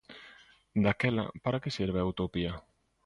Daquela, para que serve a utopía?